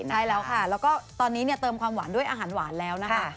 ใช่แล้วค่ะแล้วก็ตอนนี้เติมความหวานด้วยอาหารหวานแล้วนะคะ